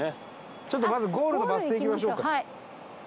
ちょっとまずゴールのバス停行きましょうか。